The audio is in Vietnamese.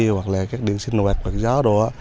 hoặc là các điện sinh hoạt và gió đổ